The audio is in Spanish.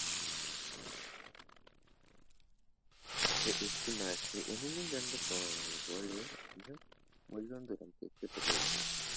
Se estima que un millón de congoleños murieron durante este período.